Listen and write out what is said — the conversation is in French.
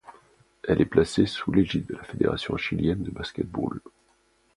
Elle est placée sous l'égide de la Fédération chilienne de basket-ball.